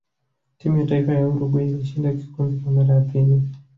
timu ya taifa ya uruguay ilishinda kikombe Kwa mara ya pili